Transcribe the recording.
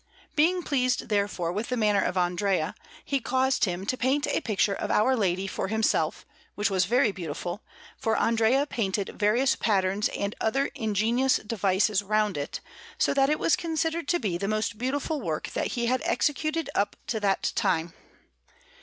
Being pleased, therefore, with the manner of Andrea, he caused him to paint a picture of Our Lady for himself, which was very beautiful, for Andrea painted various patterns and other ingenious devices round it, so that it was considered to be the most beautiful work that he had executed up to that time.